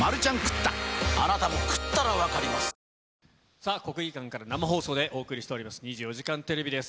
さあ、国技館から生放送でお送りしております